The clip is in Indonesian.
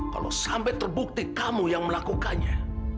kalau sampai terbukti kamu yang melakukannya